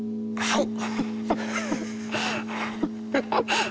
はい。